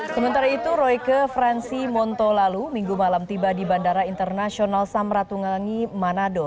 sementara itu royke fransi monto lalu minggu malam tiba di bandara internasional samratungangi manado